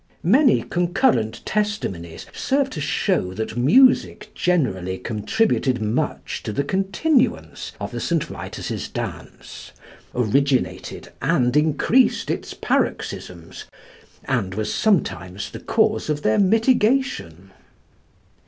Many concurrent testimonies serve to show that music generally contributed much to the continuance of the St. Vitus's dance, originated and increased its paroxysms, and was sometimes the cause of their mitigation.